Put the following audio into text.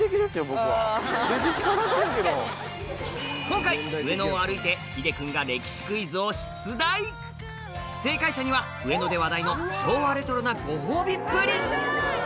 今回上野を歩いて秀くんが歴史クイズを出題正解者には上野で話題の昭和レトロなごほうびプリン！